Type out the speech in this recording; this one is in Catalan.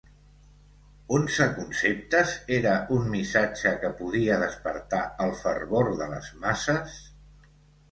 «Onze conceptes» era un missatge que podia despertar el fervor de les masses?